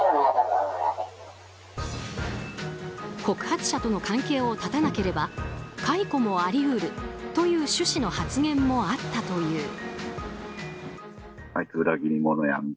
告発者との関係を絶たなければ解雇もあり得るという趣旨の発言もあったという。